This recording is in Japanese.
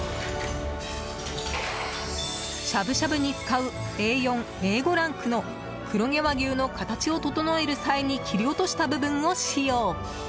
しゃぶしゃぶに使うＡ４・Ａ５ランクの黒毛和牛の形を整える際に切り落とした部分を使用。